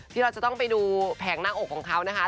ที่เราจะต้องไปดูแผงหน้าอกของเขานะคะ